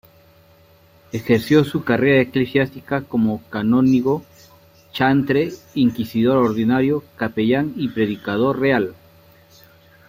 Ejerció su carrera eclesiástica como canónigo, chantre, inquisidor ordinario, capellán y predicador real.